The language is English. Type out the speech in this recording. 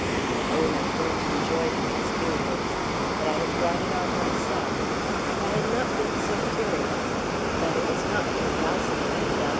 I own I don't enjoy the experience. But I have brought it on myself. If I had not been so curious But it was not curiosity I felt.